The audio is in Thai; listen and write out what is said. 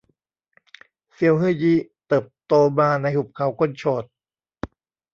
เซียวฮื่อยี้ เติบโตมาในหุบเขาคนโฉด